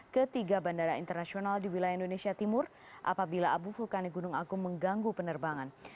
ke tiga bandara internasional di wilayah indonesia timur apabila abu vulkan di gunung agung mengganggu penerbangan